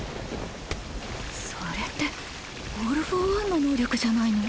それってオール・フォー・ワンの能力じゃないの？